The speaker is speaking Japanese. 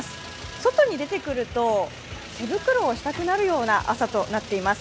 外に出てくると、手袋をしたくなるような朝となっています。